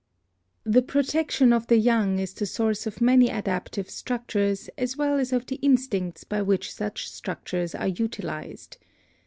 The protection of the young is the source of many adap tive structures as well as of the instincts by which such structures are utilized.